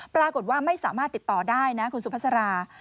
ปรากฏว่าไม่สามารถติดต่อได้นะคุณสุภาษา